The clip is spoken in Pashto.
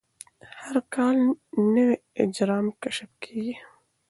هر کال نوي اجرام کشف کېږي.